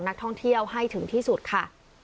นักท่องเที่ยวให้ถึงที่สุดค่ะ